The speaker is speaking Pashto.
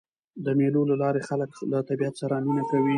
د مېلو له لاري خلک له طبیعت سره مینه کوي.